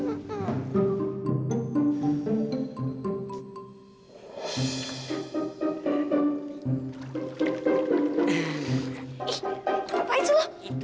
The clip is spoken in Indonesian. ih apa itu